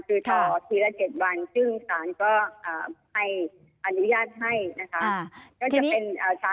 คือต่อทีละ๗วันซึ่งสารก็ให้อนุญาตให้นะคะ